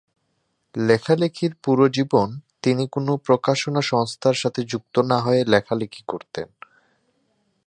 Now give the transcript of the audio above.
লেখালেখির পুরো জীবন, তিনি কোন প্রকাশনা সংস্থার সাথে যুক্ত না হয়েই লেখালিখি করতেন।